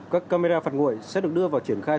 các camera phạt nguội sẽ được đưa vào triển khai